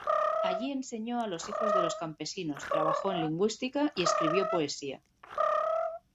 Allí enseño a los hijos de los campesinos, trabajó en lingüística y escribió poesía.